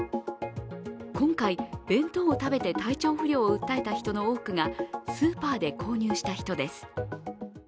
今回、弁当を食べて体調不良を訴えた人の多くはスーパーで購入した人です。